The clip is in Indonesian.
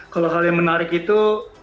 kalau hal yang menarik itu